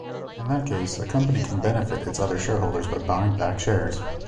In that case a company can benefit its other shareholders by buying back shares.